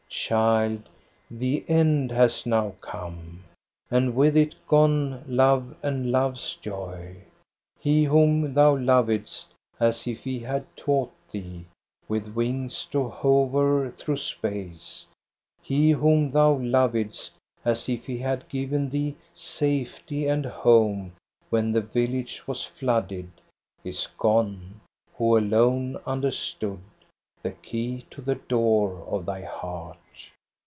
" Child, the end has now come ! And with it gone love and love's joy. He whom thou lovedst as if he had taught thee With wings to hover through space. He whom thou lovedst as if he had given thee Safety and home when the village was flooded. Is gone, who alone understood The key to the door of thy heart.